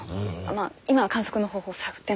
まあ今は観測の方法探ってんだけど。